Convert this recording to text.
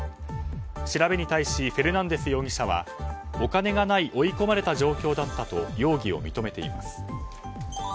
調べに対しフェルナンデス容疑者はお金がない追い込まれた状況だったと容疑を認めています。